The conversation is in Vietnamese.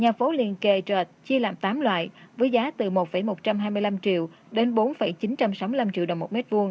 nhà phố liền kề trệt chia làm tám loại với giá từ một một trăm hai mươi năm triệu đến bốn chín trăm sáu mươi năm triệu đồng một m hai